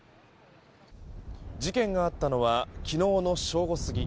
事件があったのは昨日の正午過ぎ。